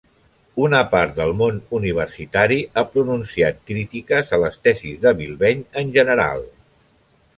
Una part del món universitari ha pronunciat crítiques a les tesis de Bilbeny en general.